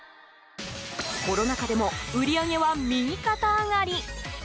コロナ禍でも売り上げは右肩上がり。